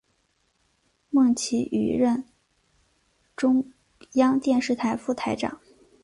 孟启予任中央电视台副台长。